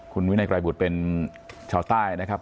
คุณวินัยไกรบุตรเป็นชาวใต้นะครับ